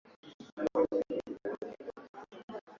watu wenye mamlaka walikusudia kuangamiza kundi